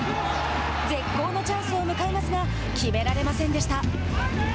絶好のチャンスを迎えますが決められませんでした。